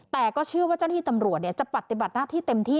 แต่ก็เชื่อว่าเจ้าหน้าที่ตำรวจจะปฏิบัติหน้าที่เต็มที่